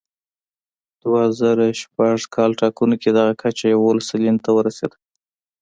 دوه زره شپږ کال ټاکنو کې دغه کچه یوولس سلنې ته ورسېده.